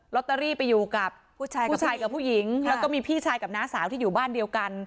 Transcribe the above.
ตเตอรี่ไปอยู่กับผู้ชายผู้ชายกับผู้หญิงแล้วก็มีพี่ชายกับน้าสาวที่อยู่บ้านเดียวกัน